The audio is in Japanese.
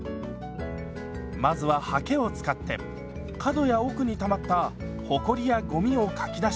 まずははけを使って角や奥にたまったほこりやごみをかき出します。